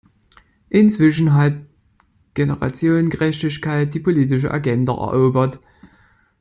Inzwischen hat Generationengerechtigkeit die politische Agenda erobert.